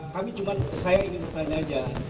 tapi cuman saya ingin bertanya aja